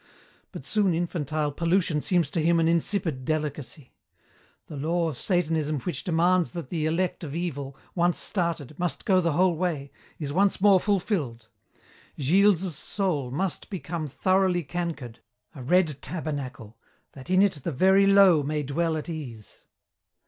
"But soon infantile pollution seems to him an insipid delicacy. The law of Satanism which demands that the elect of Evil, once started, must go the whole way, is once more fulfilled. Gilles's soul must become thoroughly cankered, a red tabernacle, that in it the Very Low may dwell at ease.